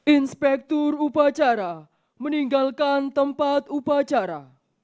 inspektur upacara meninggalkan tempat upacara